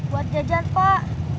buat jajan pak